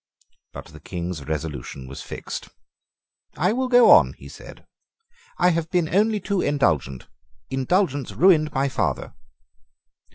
But the King's resolution was fixed. "I will go on," he said. "I have been only too indulgent. Indulgence ruined my father."